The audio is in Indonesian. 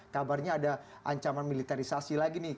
kabarnya ada ancaman militerisasi lagi nih